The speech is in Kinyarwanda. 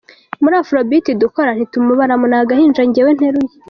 Muri Afrobeat dukora ntitumubaramo, ni agahinja njyewe nteruye”.